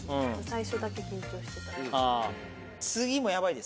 最初だけ緊張してたっていう。